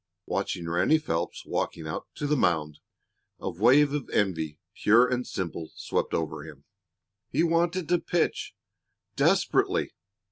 Watching Ranny Phelps walking out to the mound, a wave of envy, pure and simple, swept over him. He wanted to pitch desperately.